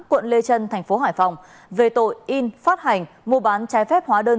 quận lê trân tp hải phòng về tội in phát hành mua bán trái phép hóa đơn